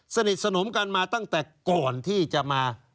สนิทสนมกันมาตั้งแต่ก่อนที่จะมา